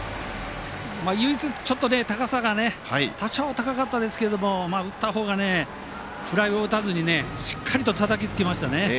高さが多少、高かったですけど打ったほうが、フライを打たずにしっかりとたたきつけましたね。